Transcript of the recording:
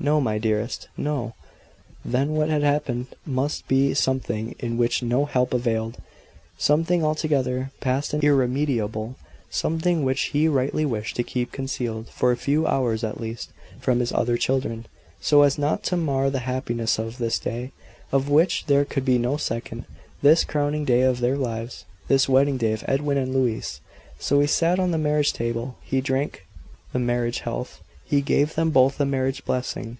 "No my dearest! No!" Then what had happened must be something in which no help availed; something altogether past and irremediable; something which he rightly wished to keep concealed, for a few hours at least, from his other children, so as not to mar the happiness of this day, of which there could be no second, this crowning day of their lives this wedding day of Edwin and Louise. So, he sat at the marriage table; he drank the marriage health; he gave them both a marriage blessing.